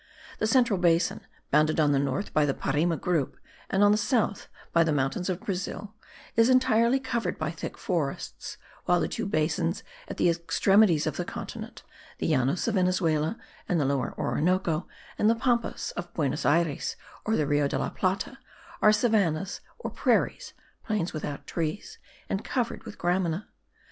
The central basin, bounded on the north by the Parime group, and on the south by the mountains of Brazil, is entirely covered by thick forests, while the two basins at the extremities of the continent (the Llanos of Venezuela and the Lower Orinoco, and the Pampas of Buenos Ayres or the Rio de la Plata) are savannahs or prairies, plains without trees and covered with gramina.